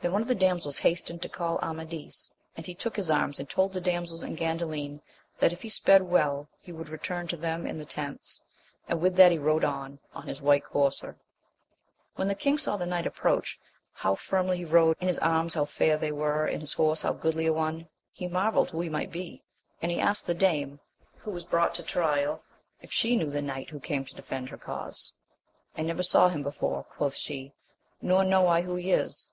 Then one of the damsels hastened to call Amadis, a*nd he took his arms and told the damsels and GandaJin that if he sped well he would return to them in the tents, and with that he rode on, on his white courser. When the king saw the knight approach, how firmly he rode and his arms how fair they were and his horse how goodly a one, he marvelled who he might be, and asked the dame, who was brought to trial, if she knew the knight who came to defend her cause. I never saw him before, quoth she, nor know I who he is.